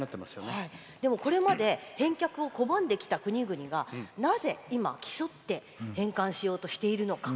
これまで返却を拒んできた国々がなぜ、今、競って返還しようとしているのか。